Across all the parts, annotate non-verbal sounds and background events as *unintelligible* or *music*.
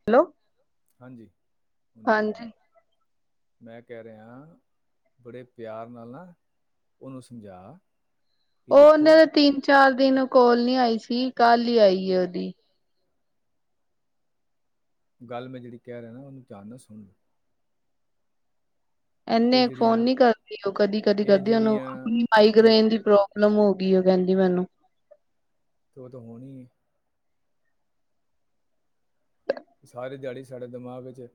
ਹ ਹਾਂਜੀ ਹੁਣ ਮਿਲ ਗਏ ਹਾਂਜੀ ਮੈਂ ਕਹਿ ਰਿਹਾ ਬੜੇ ਪਿਆਰ ਨਾਲ ਨਾ ਉਹਨੂੰ ਸਮਝਾ ਕਿ ਉਹ ਦੇਖੋ ਉਹਨਾਂ ਦੇ ਤਿੰਨ ਚਾਰ ਦਿਨ ਕੋਲ ਨੀ ਆਈ ਸੀ ਕੱਲ ਹੀ ਆਈ ਉਹਦੀ ਗੱਲ ਮੈਂ ਜਿਹੜੀ ਕਹਿ ਰਿਹਾ ਨਾ ਉਹਨੂੰ ਧਿਆਨ ਨਾਲ ਸੁਣ ਇੰਨੇ ਇਹ ਫੋਨ ਜਿਹੜੀਆਂ ਨੀ ਕਰਦੇ ਉਹ ਕਦੀ ਕਦੀ ਇਹ ਕਰਦੀ ਉਹਨੂੰ ਜਿਹੜੀਆਂ ਆਪਣੀ ਇਹ ਮਾਈਗ੍ਰੇਨ ਦੀ ਪ੍ਰੋਬਲਮ ਹੋ ਵੀਓ ਕਹਿੰਦੀ ਮੈਨੂੰ ਤੇ ਉਹ ਤਾਂ ਹੋਣੀ ਹੈ ਸਾਰੀ ਦਿਹਾੜੀ ਸਾਡੇ ਦਿਮਾਗ ਵਿੱਚ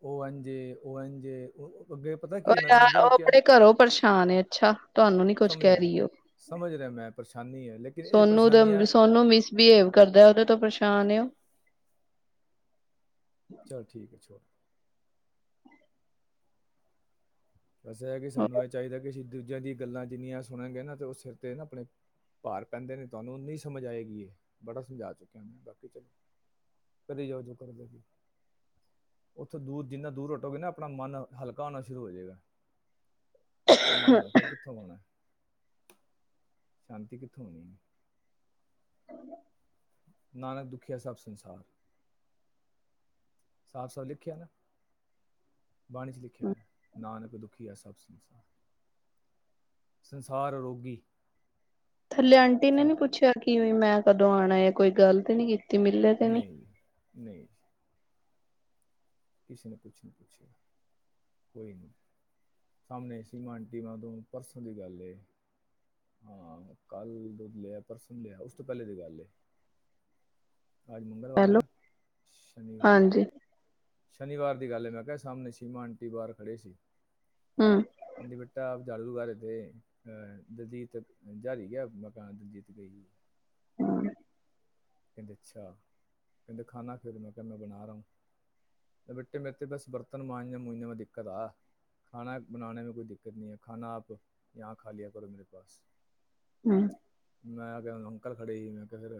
ਉਹ ਇੰਝ ਏ ਉਹ ਇੰਝ ਏ ਅੱਗੇ ਪਤਾ ਉਹ ਕੀ ਮੈਂ ਤੁਹਾਨੂੰ ਉਦੋਂ ਨਾਲ ਵੀ ਉਹ ਕਿਹਾ ਆਪਣੇ ਘਰੋਂ ਪਰੇਸ਼ਾਨ ਅੱਛਾ ਤੁਹਾਨੂੰ ਨੀ ਤਾਂ ਕੁਝ ਸਮਝ ਮੈਂ ਕਹਿ ਰਿਹਾ, ਰਹੀ ਉਹ ਸੀ। ਸਮਝ ਰਿਹਾ ਮੈਂ ਪਰੇਸ਼ਾਨੀ ਹੈ ਲੇਕਿਨ ਇਹ ਸੋਨੂੰ ਪਰੇਸ਼ਾਨੀਆਂ ਉਹਦੇ ਸੋਨੂੰ ਮਿਸਬਿਹੇਵ ਕਰਦਾ ਉਹਦੇ ਤੋਂ ਪਰੇ ਪ੍ਰਛਾਨ ਏ ਓ ਚੱਲ ਠੀਕ ਹੈ ਛੋ ਵਸ ਇਹ ਕਿ ਉਹ ਸਾਨੂੰ ਇਹ ਚਾਹੀਦਾ ਕਿ ਅਸੀ ਦੂਜਿਆਂ ਦੀਆਂ ਗੱਲਾਂ ਜਿੰਨੀਆਂ ਸੁਣਨਗੇ ਨਾ ਤੇ ਉਹ ਸਿਰ ਤੇ ਨਾ ਆਪਣੇ ਭਾਰ ਪੈਂਦੇ ਨੇ ਤੁਹਾਨੂੰ ਨਹੀਂ ਸਮਝ ਆਏਗੀ ਇਹ ਬੜਾ ਸਮਝਾ ਚੁੱਕਿਆ ਮੈਂ ਬਾਕੀ ਚ ਕਦੇ ਜੋ ਜੋ ਕਰ ਉੱਥੋਂ ਦੂਰ ਜਿੰਨਾ ਦੂਰ ਹਟੋਗੇ ਨਾ ਆਪਣਾ ਮਨ ਹਲਕਾ ਹੋਣਾ ਸ਼ੁਰੂ ਹੋ ਜਾਏਗਾ ਮੰਨ ਲੈ ਕੱਲ ਕਿੱਥੋਂ ਬਣਾ ਹੈ ਸ਼ਾਂਤੀ ਕਿੱਥੋਂ ਹੋਣੀ ਹੈ ਨਾਨਕ ਦੁਖੀਆ ਸਭ ਸੰਸਾਰ ਸਾਫ ਸਾਫ਼ ਲਿਖਿਆ ਨਾ ਬਾਣੀ 'ਚ ਲਿਖਿਆ ਹੈ ਨਾਨਕ ਦੁਖੀਆ ਸਭ ਸੰਸਾਰ ਸੰਸਾਰ ਰੋਗੀ ਥੱਲੇ ਆਂਟੀ ਨੇ ਸੰ- ਨੀ ਪੁੱਛਿਆ ਕਿਵੇਂ ਮੈਂ ਕਦੋਂ ਆਣਾ ਜਾਂ ਕੋਈ ਗੱਲ ਤੇ ਨੀ ਕੀਤੀ ਮਿਲੇ ਤੇ ਨਹੀਂ ਨਹੀਂ, ਕਿਸੇ ਨੇ ਕੁਛ ਨੀ ਪੁੱਛਿਆ ਕੋਈ ਨਹੀਂ ਸਾਹਮਣੇ ਸੀ ਮਟੀਮਾਂ ਤੋਂ ਪਰਸੋਂ ਦੀ ਗੱਲ ਹਾਂ ਕੱਲ ਦਾ ਪਰਸੋਂ ਲਿਆ ਉਸ ਤੋਂ ਪਹਿਲੇ ਦੀ ਗੱਲ ਅੱਜ ਮੰਗਲਵਾਰ ਹੈ ਹੈਲੋ ਨਾ ਸ਼ਨੀਵਾਰ ਹਾਂਜੀ ਸ਼ਨੀਵਾਰ ਦੀ ਗੱਲ ਮੈਂ ਕਿਹਾ ਸਾਹਮਣੇ ਸ਼ੀਮਾ ਆਂਟੀ ਬਾਰ ਖੜ੍ਹੇ ਸੀ। *inaudible* ਹਮ ਜਾੜੂ ਹਾਰੇ ਤੇ ਅਹ ਦਲਜੀਤ ਜਾਰੀ ਗਿਆ ਮਕਾਨ ਦਲਜੀਤ ਗਈ ਹਾਂ, ਕਹਿੰਦੇ ਅੱਛਾ ਕਹਿੰਦੇ ਖਾ ਖੇਰ ਮੈਂ ਕਿਹਾ ਮੈਂ ਬਣਾ ਰਿਹਾ ਬੇਟੇ ਮੇਰੇ ਤੇ ਬਸ ਬਰਤਨ ਮਾਂਜੇ ਮੂੰਜੇ ਮੈਂ ਦਿੱਕਤ ਆ ਖਾ ਬਣਾੇ ਮੈਂ ਕੋਈ ਦਿੱਕਤ ਨਹੀਂ ਹੈ ਖਾ ਆਪ ਯਾਂ ਖਾ ਲਿਆ ਕਰੋ ਮੇਰੇ ਪਾਸ ਹਮ ਮੈਂ ਆ ਗਿਆ ਕਲ ਖੜੇ ਸੀ ਮੈਂ ਕਿਹਾ ਫਿਰ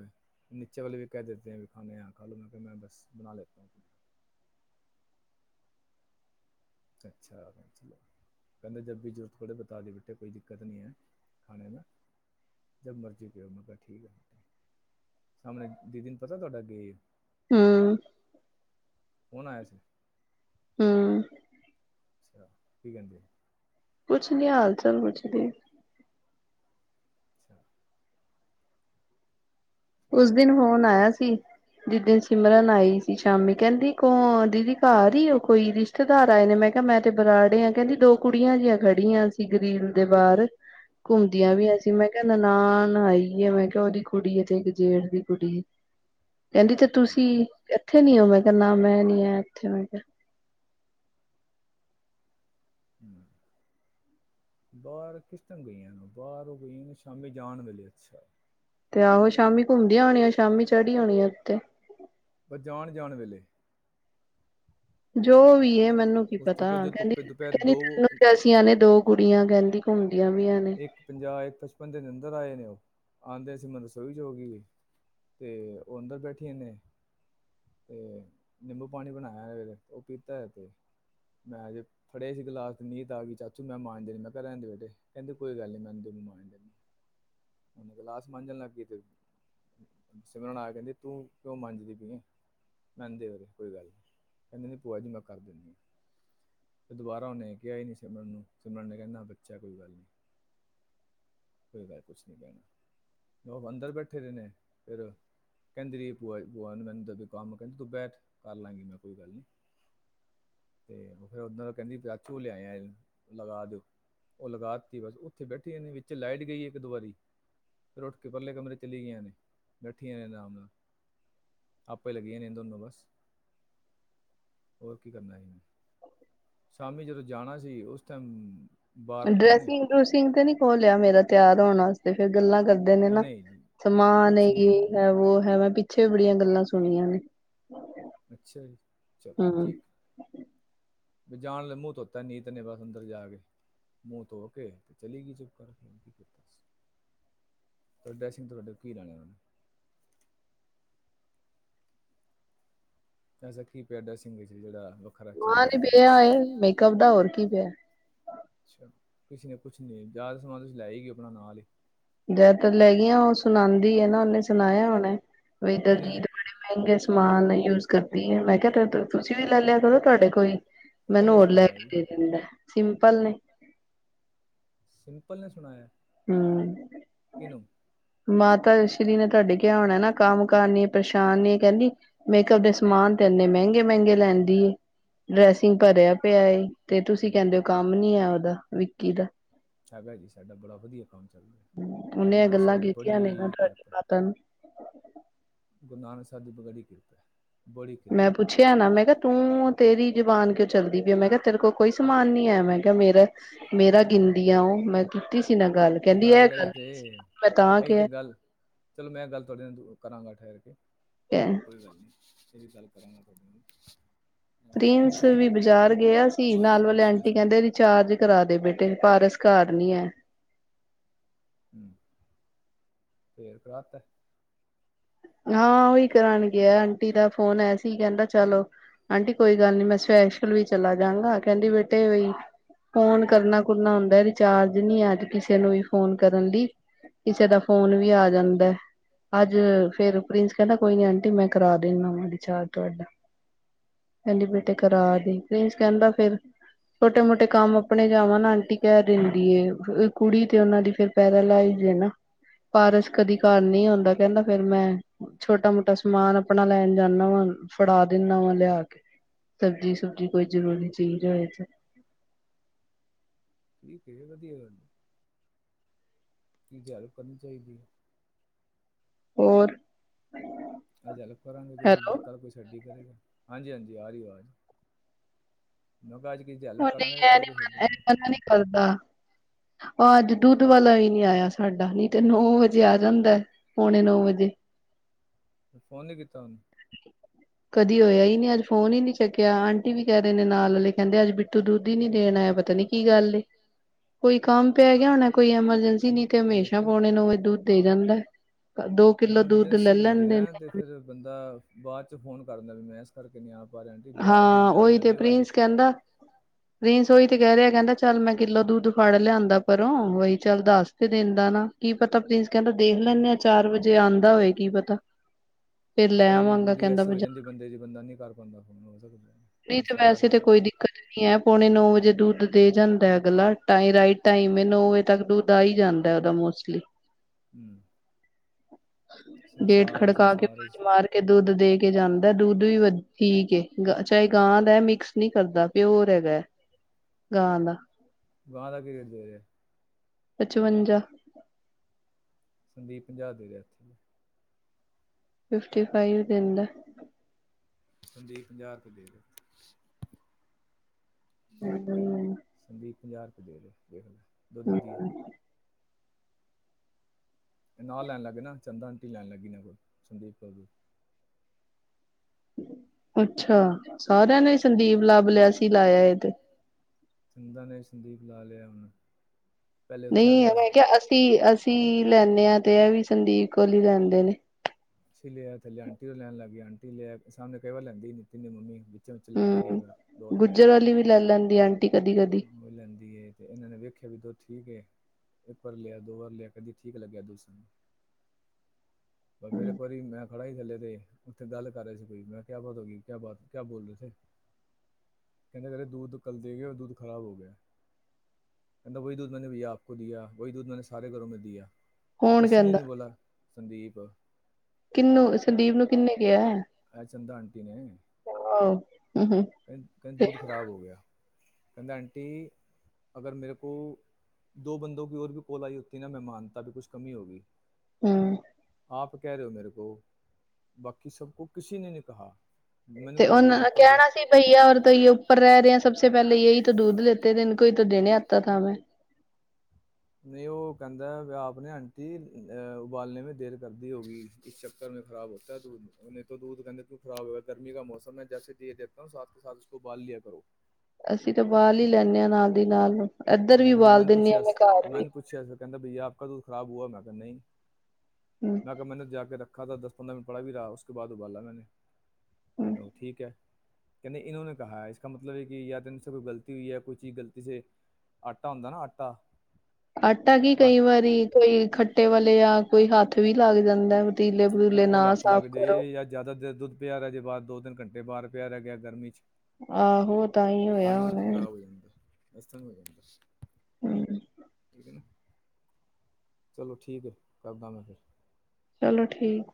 ਨੀਚੇ ਵਾਲੇ ਵੀ ਕਹਿ ਦੇਤੇ ਹੈ ਖਾਣੇ ਖਾ ਲੋ ਮੈਂ ਕਿ ਮੈਂ ਬਸ ਬਣਾ ਲਤਾ ਅੱਛਾ ਕਹਿੰਦੇ ਜਦ ਵੀ ਜ਼ਰੂਰਤ ਹੋਵੇ ਬਤਾ ਦਿ ਬੇਟੇ ਕੋਈ ਦਿੱਕਤ ਨੀ ਹੈ ਖਾਣੇ ਮਰਜੀ ਪਓ ਮੈਂ ਕਿਹਾ ਠੀਕ ਆ ਸਾਹਮਣੇ ਦ ਦਿਨ ਪਤਾ ਤੁਹਾਡਾੱਗੇ ਹੂੰ। ਫ਼ੋਨ ਆਇਆ ਸੀ। ਹੂੰ ਅੱਛਾ ਕੀ ਕਹਿੰਦੇ ਕੁਛ ਨੀ ਹਾਲ ਚਾਲ ਕੁਛ ਨੀ ਅੱਛਾ, ਚਲੋ। ਉਸ ਦਿਨ ਫ਼ੋਨ ਆਇਆ ਸੀ ਜਿਸ ਦਿਨ ਸਿਮਰਨ ਆਈ ਸੀ ਸ਼ਾਮੀ ਕਹਿੰਦੀ ਕੋ ਦੀਦੀ ਘਰ ਈ ਉਹ ਕੋਈ ਰਿਸ਼ਤੇਦਾਰ ਆਏ ਨੇ ਮੈਂ ਕਿਹਾ ਮੈਂ ਤੇ ਬਰਾੜੇ ਆ ਕਹਿੰਦੀ ਦੋ ਕੁੜੀਆਂ ਜਹੀਆਂ ਖੜੀਆਂ ਸੀ ਗਰੀਬ ਦੇ ਬਾਹਰ ਘੁੰਮਦੀਆਂ ਹੂੰ, ਪਈਆਂ ਸੀ ਮੈਂ ਕਿਹਾ ਨਨਾਣ ਆਈਏ ਮੈਂ ਕਿਹਾ ਉਹਦੀ ਕੁੜੀ ਇ ਤੇ ਜੇਠ ਦੀ ਕੁੜੀ ਕਹਿੰਦੀ ਤੇ ਹੂੰ, ਤੁਸੀਂ ਇੱਥੇ ਨੀ ਹੋਵ ਕਰਨਾ ਮੈਂ ਨੀ ਆ ਇੱਥੇ ਮੈਂ ਕਿਹਾ *inaudible* ਤੇ ਆਹੋ ਸ਼ਾਮੀ ਘੁੰਮਦੀਆਂ ਹੋਣੀਆਂ ਸ਼ਾਮੀ ਚੜੀ ਓਨੀ ਉੱਥੇ ਪਰ ਜਾਣ ਜਾਣ ਵੇਲੇ ਜੋ ਵੀ ਹੈ ਮੈਂ ਮੈਨੂੰ ਕੀ ਉਸ ਤੋਂ ਪਤਾ ਕਿ ਜੋ ਕਹਿੰਦੀ ਧੁੱਪੇ ਦੁਪਹਿਰ ਕਹਿੰਦੀ ਤੈਨੂੰ ਅਸੀਂ ਨੇ ਦੋ ਕੁੜੀਆਂ ਕਹਿੰਦੀ ਘੁੰਮਦੀ ਇੱਕ ਪੰਜਾਹ ਇੱਕ ਬੰਦੇ ਨੇ ਅੰਦਰ ਆਏ ਨੇ ਉਹ ਆਉਂਦੇ ਸੀ ਮੈਂ ਰਸੋਈ ਚ ਹੋ ਗਈ ਤੇ ਉਹ ਅੰਦਰ ਬੈਠੀ ਨੇ ਤੇ ਨਿੰਬੂ ਪਾਣੀ ਬਣਾਇਆ ਫ ਉਹ ਪੀਤਾ ਹੈ ਤੇ ਮੈਂ ਜੇ ਫੜੇ ਸੀ ਗਲਾਸ ਤੇ ਨੀਂਹਤ ਆ ਗਈ ਚਾਚੂ ਮੈਂ ਮਾਂਜਦੇ ਨੇ ਮੈਂ ਕਿਹਾ ਰਹਿਣ ਦੇ ਬੇਟੇ ਕਹਿੰਦੇ ਕੋਈ ਗੱਲ ਨੀ ਮੈਂਦੇ ਮ ਕਲਾਸ ਮਾਂਜਣ ਲੱਗ ਗ ਤੇ ਸਿਮਰਨ ਆ ਕਹਿੰਦੇ ਤੂੰ ਕਿਉ ਮੰਜਦੀ ਪੀਏ ਮਹਿੰਦੇ ਵਰੇ ਕੋਈ ਗੱਲ ਨ ਕਹਿੰਦੇ ਨ ਭੂਆ ਜੀ ਮੈਂ ਕਰ ਦਿੰਦੀ ਆ ਤੇ ਦੁਬਾਰਾ ਉਹਨੇ ਕਿਹਾ ਹੀ ਨਹੀਂ ਸਿਮਰਨ ਨੂੰ ਸਿਮਰਨ ਨੇ ਕਹਿੰਦਾ ਬੱਚਾ ਕੋਈ ਗੱਲ ਨ ਕੋਈ ਗੱਲ ਕੁਛ ਨੀ ਕਹਿਣਾ ਉਹ ਅੰਦਰ ਬੈਠੇ ਰਹੇ ਨੇ ਫਿਰ ਕਹਿੰਦੀ ਰਹੀ ਬੂਆ ਨੂੰ ਮੈਨੂੰ ਕੰਮ ਕਹਿੰਦੀ ਤੂੰ ਬੈਠ ਕਰ ਲਾਂਗੀ ਮੈਂ ਕੋਈ ਗੱਲ ਨੀ ਤੇ ਫਿਰ ਕਹਿੰਦੀ ਚੂ ਲਿਆਇ ਲਗਾ ਦਿਓ ਉਹ ਲਗਾ ਤੀ ਬਸ ਉੱਥੇ ਬੈਠੀ ਰਦੀ ਲਾਈਟ ਗਈ ਇੱਕ ਦੋ ਵਾਰੀ ਫਿਰ ਉੱਠ ਕੇ ਪਰਲੇ ਕਮਰੇ ਚਲੀ ਗਈਆਂ ਨੇ ਬੈਠੀਆਂ ਨੇ ਆਰਾਮ ਨਾਲ ਆਪੇ ਲੱਗੀਆਂ ਨੇ ਦੋਨੋਂ ਬਸ ਹੋਰ ਕੀ ਕਰਨਾ ਸ਼ਾਮੀ ਜਦੋਂ ਜਾਣਾ ਸੀ ਉਸ ਤ ਡਰੈਸਿੰਗ ਡਰੂਸਿੰਗ ਤੇ ਨੀ ਕੋ ਲਿਆ ਮੇਰਾ ਤਿਆਹਰ ਢਾਹੁਣ ਵਾਸਤੇ ਵਾਸਤੇ ਫੇਰ ਗੱਲਾਂ ਕਰਦੇ ਨੇ ਨਾ ਨਹੀਂ ਜੀ ਸਮਾਨ ਹੈ ਕੁਛ ਨਹੀਂ ਕਰਦੇ ਹੈ ਵੋ ਹੈ ਮੈਂ ਪਿੱਛੇ ਪਿੱਛੇ ਬੜੀਆਂ ਗੱਲਾਂ ਸੁਣੀਆਂ ਨੇ ਅੱਛਾ ਜੀ ਚਲੋ ਹੂੰ ਠੀਕ ਵੀ ਜਾਣ ਲ ਮੂੰਹ ਧੋਤਾ ਨੀ ਤਨੇ ਬਸ ਅੰਦਰ ਜਾ ਕੇ ਮੂੰਹ ਧੋ ਕੇ ਤੇ ਚਲੀ ਗਈ ਚੁੱਪ ਕਰਕੇ ਕੀਤਾ ਤੁਹਾਡ ਤੁਹਾਡੇ ਕੀ ਲੈਣਾ ਉਹੇ ਅਸਾ ਕੀੀ ਪਿਆਡਾ ਸਿੰਘ ਸੀ ਜਿਹੜਾ ਵੱਖਰਾ ਚੀਜ਼ ਹਾਂ ਤੇ ਹੈਗੀ ਨੀ ਹੈ? ਪਿਆ ਇਹ ਮੇਕਅਪ ਦਾ ਹੋਰ ਕੀ ਪਿਆ ਅੱਛਾ ਕਿਸੇ ਨੇ ਕੁਛ ਨੀ ਜ਼ਿਆਦਾ ਸਮਾਨ ਤੁਸੀਂ ਲੈ ਹੀ ਗ ਆਪਣਾ ਨਾਲ ਹੀ ਜਿਆਦਾਤਰ ਲੈ ਗਈਆਂ ਉਹ ਸੁਣਾਉਂਦੀ ਨਾ ਉਹਨੇ ਸੁਣਾਇਆ ਹੁਨ ਬੇਈ ਕਿਨੇ ਦਿਲਜੀਤ ਬੜੇ ਮਹਿੰਗੇ ਸੂਟ ਸਮਾਨ ਯੂਜ ਕਰਦੀ ਹੈ ਮੈਂ ਕਿਹਾ ਤੁਸੀਂ ਵੀ ਲੈ ਲਿਆ ਕਰ ਨਾ ਤੁਹਾਡੇ ਕੋਲ ਮੈਨੂੰ ਕਿਨੇ ਹੋਰ ਲੈ ਸੁਣਾਇਆ ਜੀ ਕੇ ਦੇ ਦਿੰਦਾ ਸਿੰਪਲ ਨੇ ਸਿੰਪਲ ਨੇ ਸੁਣਾਇਆ ਹਮ ਕਿਹਨੂੰ ਮਾਤਾ ਸ਼੍ਰੀ ਨੇ ਤੁਹਾਡੇ ਕਿਹਾ ਆਉਣਾ ਨਾ ਕੰਮ ਕਰਨੀ ਪਰੇਸ਼ਾਨੀ ਕਹਿੰਦੀ ਮੇਕਅਪ ਦੇ ਸਮਾਨ ਤੇ ਇੰਨੇ ਮਹਿੰਗੇ ਮਹਿੰਗੇ ਲੈਂਦੀ ਡਰੈਸਿੰਗ ਭਰਿਆ ਪਿਆ ਤੇ ਤੁਸੀਂ ਕਹਿੰਦੇ ਹਮ, ਹੋ ਕੰਮ ਨੀ ਹੈ ਉਹਦਾ ਵਿਕੀ ਦਾ ਹੈਗਾ ਜੀ ਸਾਡਾ ਬੜਾ ਵਧੀਆ ਕੰਮ ਚੱਲ ਰਿਹਾ ਗੁਰੂ ਉਹਨੇ ਨਾਨਕ ਗੱਲਾਂ ਸਾਹਿਬ ਦੀ ਕੀਤੀਆਂ ਨੇ ਬੜੀ ਤੁਹਾਡੀ ਕਿਰਪਾ ਹੈ। ਮਾਤਾ ਨੂੰ ਗੁਰੂ ਨਾਨਕ ਸਾਹਿਬ ਦੀ ਬੜੀ ਕਿਰਪਾ ਕੀਤੀ ਮੈਂ ਪੁੱਛਿਆ ਨਾ ਮੈਂ ਕਿਹਾ ਤੂੰ ਤੇਰੀ ਜਬਾਨ ਕਿਉਂ ਚੱਲਦੀ ਪਈ ਆ ਮੈਂ ਕਿਹਾ ਤੇਰੇ ਕੋਲ ਕੋਈ ਸਮਾਨ ਨੀ ਆਇਆ ਮੈਂ ਕਿਹਾ ਮੇਰਾ ਗਿਣਦੀ ਆ ਉਹ ਮੈਂ ਕੀਤੀ ਸੀ ਨਾ ਗੱਲ ਕਹਿੰਦੀ ਇਹ ਗੱਲ ਈ ਤੇ ਮੈਂ ਤਾਂ ਇਹੀ ਤੇ ਕਿਹਾ ਗੱਲ ਚਲੋ ਮੈਂ ਗੱਲ ਤੁਹਾਡੇ ਕਰਾਂਗਾ ਜ ਕੋਈ ਗੱਲ ਨੀ ਤੇਰੀ ਗੱਲ ਕਰ ਪ੍ਰਿੰਸ ਵੀ ਬਾਜ਼ਾਰ ਗਿਆ ਸੀ ਮਾਲਕ ਨਾਲ ਵਾਲੇ ਬਖਸ਼ ਲੈ ਆਂਟੀ ਸਾਨੂੰ ਕਹਿੰਦੇ ਰਿਚਾਰਜ ਕਰਾ ਦੇ ਬੇਟੇ ਪਾਰਸ ਘਰ ਨੀ ਹੈ ਹਾਂ ਫਿਰ ਮੈਂ ਕਰਾ ਤਾ ਹਾਂ ਉਓਹੀ ਕਰ ਗਿਆ ਆਂਟੀ ਦਾ ਫੋਨ ਐਸੀ ਕਹਿੰਦਾ ਚਲੋ ਆਂਟੀ ਕੋਈ ਗੱਲ ਨੀ ਮੈਂ ਸਪੈਸ਼ਲ ਵੀ ਚਲਾ ਜਾਗਾ ਕਹਿੰਦੀ ਬੇਟੇ ਵੀਈ ਫੋਨ ਕਰਨਾ ਕਰਨਾ ਕੁਰਨਾ ਹੁੰਦਾ ਰਿਚਾਰਜ ਨੀ ਹੈ ਅੱਜ ਕਿਸੇ ਨੂੰ ਵੀ ਫੋਨ ਕਰਨ ਲਈ ਕਿਸੇ ਦਾ ਫੋਨ ਵੀ ਆ ਜਾਂਦਾ ਅੱਜ ਫੇਰ ਪ੍ਰਿੰਸ ਕਹਿੰਦਾ ਕੋਈ ਨੀ ਆਂਟੀ ਮੈਂ ਕਰਾ ਦਿੰਦਾ ਹਾਂ ਰਿਚਾਰਜ ਤੁਹਾਡਾ ਕਹਿੰਦੀ ਹੂੰ, ਬੇਟੇ ਕਰਾ ਦੇ ਪ੍ਰਿੰਸ ਕਹਿੰਦਾ ਫਿਰ ਛੋਟੇ ਮੋਟੇ ਕੰਮ ਆਪਣੇ ਜਾਵਾਂ ਨਾ ਆਂਟੀ ਕਹਿ ਦਿੰਦੀ ਏ ਕੁੜੀ ਤੇ ਉਹਨਾ ਦੀ ਫੇਿਰ ਪੈਦਲ ਆਈ ਜਾਏ ਨਾ। ਪਾਰਸ ਕਦੀ ਘਰ ਨਹੀਂ ਆਉਂਦਾ ਕਹਿੰਦਾ ਫੇਰ ਮੈਂ ਛੋਟਾ ਮੋਟਾ ਸਮਾਨ ਆਪਣਾ ਲੈਣ ਜਾਂਦਾ ਵਾਂ ਫੜਾ ਦਿੰਦਾ ਵਾ ਲਿਆ ਕੇ ਸਬਜ਼ੀ ਸੁਬਜੀ ਕੋਈ ਜਰੂਰੀ ਚੀਜ਼ ਹੋਵੇ ਤੇ ਕੀ ਵਧੀਆ ਗੱਲ ਕੀ ਜਾਰੂ ਕਰਨੀ ਚਾਹੀਦੀ ਹੈ। *unintelligible* ਹੋਰ। ਅੱਜਲਗ ਕਰਾਂਗੇ ਹੈਲੋ ਤੁਸੀਰ ਕੋਈ ਛੱਡੀ ਕਰੇਗਾ। ਹਾਂਜੀ ਹਾਂਜੀ ਆ ਰਹੀ ਆਵਾਜ਼। ਕਿਸੇ ਦੀ ਹੁ ਹੈਲਪ ਕਰਾਂਗੇ ਤੇ ਨਹੀਂ ਐ ਕੱਲ ਨੀ ਕੋਈ ਸਾਡੀ ਮ ਕਰੇਗਾ। ਮਨਾ ਨਹੀਂ ਕਰਦਾ। ਭਾ ਅਜ ਦੁੱਧ ਵਾਲਾ ਵੀ ਨੀ ਆਇਆ ਸਾਡਾ ਨੀ। ਤੇ ਨੌ ਵਜੇ ਆ ਜਾਂਦਾ ਪੌਣੇ ਨੌ ਵਜੇ। ਫੋਨ ਨਹੀਂ ਕੀਤਾ ਉਹਨ ਕਦੀ ਹੋਇਆ ਹੀ ਨਹੀਂ ਅੱਜ ਫੋਨ ਹੀ ਨੀ ਚੱਕਿਆ ਆਂਟੀ ਵੀ ਕਹਿ ਰਹੇ ਨੇ ਨਾਲ ਵਾਲੇ ਕਹਿੰਦੇ ਅੱਜ ਬਿੱਟੂ ਦੁੱਧ ਹੀ ਨੀ ਦੇਣ ਆਇਆ ਪਤਾ ਨੀ ਕੀ ਗੱਲ ਏ ਕੋਈ ਕੰਮ ਪੈ ਗਿਆ ਹੋਣਾ ਕੋਈ ਐਮਰਜੈਂਸੀ ਨੀ ਤੇ ਹਮੇਸ਼ਾ ਲੇਕਿਨ ਪਾਉਣੇ ਨੂੰ ਦੁ ਦੇ ਜਾਂਦਾ ਐ ਨਹੀਂ ਐਮਰਜੈਂਸੀ ਬੰਦੀ ਨਾ ਤੇ ਫੇਰ ਬੰਦਾ ਬਾਅਦ 'ਚ ਫੋਨ ਕਰਦਾ ਵੀ ਮੈਂ ਇਸ ਕਰਕੇ ਨਹੀਂ ਆ ਪਾ ਰਿਹਾ ਆਂਟੀ ਬਾਜ਼ਾਰ ਦੁੱਧ ਹਾਂ ਬਾਜ਼ਾਰ ਓਹੀ ਲੈ ਤੇ ਲਿਓ ਅੱਜ ਪ੍ਰਿੰਸ ਕਹਿੰਦਾ ਪ੍ਰਿੰਸ ਉਹੀ ਤੇ ਕਹਿ ਰਿਹਾ ਕਹਿੰਦਾ ਚੱਲ ਮੈਂ ਕਿੱਲੋ ਦੱਧ ਫੜ ਲਿਆਂਦਾ ਪਰੋਂ ਵਹੀ ਚੱਲ ਦੱਸ ਤੇ ਦਿੰਦਾ ਨਾ ਕੀ ਪਤਾ ਪ੍ਰਿੰਸ ਕਹਿੰਦਾ ਦੇਖ ਲੈਂਨੇ ਆ ਚਾਰ ਵਜੇ ਆਉਂਦਾ ਹੋਏ ਕੀ ਪਤਾ ਫੇਰ ਲੈ *unintelligible* ਆਵਾਂਗਾ ਮਜਬੂਰੀ ਕਹਿੰਦਾ ਐਸੀ ਹੋ ਬਜ਼ਾਰ ਜਾਂਦੀ ਬਦੇ ਦੀ ਬੰਦਾ ਨੀ ਕਰ ਬੰਦਾ ਫੋਨ ਹੋ ਸਕਦਾ। ਨਹੀਂ ਤੇ ਸੰਸਾਰ ਹੈ ਵੈਸੇ ਤੇ ਜੀ ਕੋਈ ਦਿੱਕਤ ਨੀ ਹੈ ਪੌਣੇ ਨੋ ਵਜੇ ਦੁੱਧ ਦੇ ਜਾਂ ਦੈ ਅਗਲਾ ਰਾਈਟ ਟਮ ਨੋ ਵਜੇ ਤੱਕ ਦੁੱਧ ਆਈ ਜਾਂਦਾ ਦਾ ਮੋਸਟਲੀ ਹਮ। *inaudible* ਗੇਟ ਖੜਕਾ ਕੇ ਸੰਸਾਰ ਹੈ ਬਾਜ ਮਾਰ ਕੇ ਦੁੱਧ ਦੇ ਕੇ ਜਾਂਦਾ ਦੁੱ ਵੀ *unintelligible* ਵਧ ਠੀਕ ਗ। *unintelligible* ਚਾਹੇ ਗਾਂ ਦਾ ਮਿਕਸ ਨੀ ਕਰਦਾ ਪਿਓਰ ਹੈਗਾ ਹੈ ਗਾਂ ਦਾ। ਗ ਦਾੱਕ ਰੇਟ ਦੇ ਰਿ *unintelligible* ਪਚਵੰਜਾ। ਸੰਦੀਪ ਪੰਜਾ ਦੇ ਦੇ ਇੱਥੇ *unintelligible* ਫਿਫਟੀ ਫਾਈਵ ਦਿੰਦਾ ਐ। ਸੰਦੀ ਪੰਜਾਹ ਰੁਪ ਦੇ ਹਮ ਹਮ ਸੰਦੀਪ ਪੰਜਾਹ ਰੁਪਏ ਦੇ ਦਿ ਦੇਖ ਲ *unintelligible* ਹਮ ਹਮ। ਨਾਲ ਲੈਣ ਲੱਗੇ ਨਾ ਚੰਦਾ ਆਂਟੀ ਲੈਣ ਲੱਗੀ ਇਹ ਕੋਲ ਸੰਦੀਪ ਕੋ ਅੱਛਾ। ਸਾਰਿਆਂ ਨੇ ਸੰਦੀਪ ਲੱਭ ਲਿਆ ਸੀ ਲਾਇਆ ਇਹ ਤੇ ਚੰਦਾ ਨੇ ਸੰਦੀਪ ਲਾ ਲਿਆ ਹੁਨ ਨਹੀਂ ਮੈਂ ਕਿਹਾ ਅਸੀਂ ਅਸੀਂ ਲੈਂਨੇ ਹਾਂ ਤੇ ਏਵੀ ਸੰਦੀਪ ਕੋਲ ਈ ਰੈਦੇਂ ਨੇ ਅਸੀ ਲਿਆ, ਥਲੇ ਆਂਟੀ ਔਰ ਲੈਣ ਲੱਗ ਗੇ। ਆਂਟੀ ਲਿਆ, ਸਾਹਮਣੇ ਕਈ ਵਾਰ ਲੈਂਦੀ ਐ ਨਿਤਿਨ ਦੀ ਮੰਮੀ *inaudible* ਇੱਕ ਵਾਰ ਹੂੰ, ਗੁੱਜਰ ਵਾਲੀ ਵੀ ਲੈ ਲੈਂਦੀ ਆਂਟੀ ਕਦੀ ਕਦੀ ਲੇਆ, ਦੋ ਵਾਰ ਲੇਆ। ਕਦੀ ਠੀਕ ਲੱਗਿਆ ਫੇਿਰ ਇੱਕ ਵਾਰੀ ਮੈਂ ਖੜਾ ਈ ਗੱਲੇ ਤੇ। ਉੱਥੇ ਗੱਲ ਕਰ ਰੇਆ ਸੀ ਕੋਈ। ਮੈਂ ਕਿਆ *unintelligible* *unintelligible* *unintelligible* *inaudible* ਕਿੰਨੂੰ? ਸੰਦੀਪ ਨੂੰ। ਕਿੰਨੇ ਕਿਹਾ ਹੈ? ਹੂੰ ਹੂੰ *unintelligible* *unintelligible* ਹੰਮ- *unintelligible* ਤੇ ਕਹਿੰਦਾ ਓਨਾ ਭਈਆ ਆਪਕਾ ਵੀ ਕਹਿਣਾ ਸੀ *unintelligible* *unintelligible* *unintelligible* ਅਸੀਂ ਤਾਂ ਉਬਾਲ ਹੀ ਲੈਂਨੇ ਆ ਨਾਲ ਦੀ ਨਾਲ ਇੱਧਰ ਵੀ ਉਬਾਲ ਦਿੰਦੀ ਹਾਂ ਮੈਂ ਘਰ ਵੀ *inaudible* ਹੂੰ *unintelligible* ਹੂੰ *inaudible* *unintelligible* ਆਟਾ ਹੁੰਦਾ ਨਾ ਆਟਾ ਆਟਾ ਵੀ ਕਈ ਵਾਰੀ ਕੋਈ ਖੱਟੇ ਵਾਲੇ ਯਾ ਕੋਈ ਹੱਥ ਵੀ ਲੱਗ ਜਾਂਦਾ ਪਤੀਲੇ ਪਤੂਲੇ ਖੱਟੇ ਨਾ ਅਲਾ ਹੱਥ ਸਾਫ਼ ਕਰੋ ਲੱਗਜੇ ਜਾਂ, ਜ਼ਿਆਦਾ ਦੇਰ ਦੁੱਧ ਪੇਆ ਰੈਜੇ ਬਾਰ ਦੋ ਤਿੰਨ ਘੰਟੇ ਬਾਰ ਪੇਆ ਰੈਗਿਆ, ਗਰਮੀ ਚ ਆਹੋ ਤਾਂਈ ਤਾਂ ਹੋਇਆ ਵੀ ਦੁੱਧ ਹੋਣੈ। ਖ਼ਰਾਬ ਹੋ ਜਾਂਦਾ *inaudible* *inaudible* ਚਲੋ ਠੀਕ ਹੈ, ਕਰਦਾ ਮੈਂ ਫਿਰ ਚਲੋ ਠੀਕ